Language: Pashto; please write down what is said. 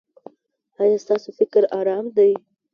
ایا ستاسو فکر ارام دی؟